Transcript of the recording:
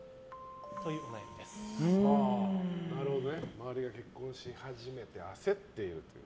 周りが結婚し始めて焦っていると。